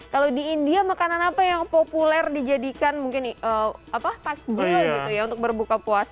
kalau di india makanan apa yang populer dijadikan mungkin takjil gitu ya untuk berbuka puasa